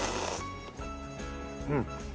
うん。